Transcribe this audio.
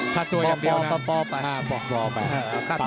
รู้ไหมครับ